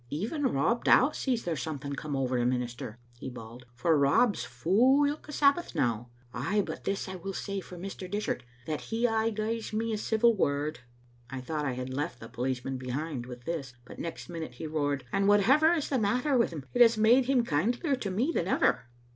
" Even Rob Dow sees there's something come ower the minister," he bawled, "for Rob's fou ilka Sabbath now. Ay, but this I will say for Mr. Dishart, that he aye gies me a civil word, " I thought I had left the policeman behind with this, but next minute he roared, " And whatever is the matter wi' him it has made him kindlier to me than ever."